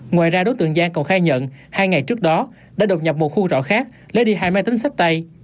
ngoài ra đối tượng giang còn khai nhận hai ngày trước đó đã đột nhập một khu trọ khác lấy đi hai máy tính sách tay